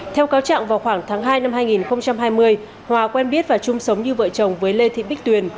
theo cáo trạng vào khoảng tháng hai năm hai nghìn hai mươi hòa quen biết và chung sống như vợ chồng với lê thị bích tuyền